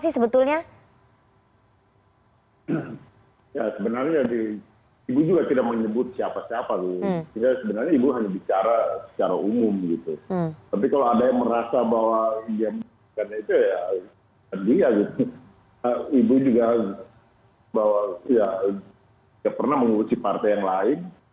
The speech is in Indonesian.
ibu juga pernah mengurusi partai yang lain